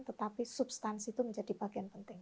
tetapi substansi itu menjadi bagian penting